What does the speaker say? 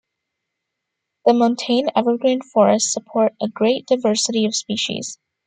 The montane evergreen forests support a great diversity of species.